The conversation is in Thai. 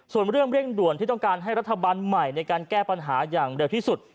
ส่วนเรื่องเร่งด่วนที่ต้องการให้รัฐบาลใหม่ในการแก้ปัญหาอย่างเร็วที่สุด